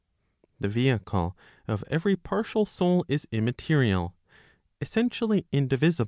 The vehicle of every partial soul is immaterial, essentially indivisible, and impassive.